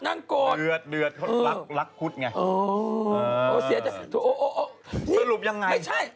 ลักฮุตไง